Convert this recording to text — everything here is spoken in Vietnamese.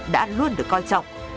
đã luôn được coi trọng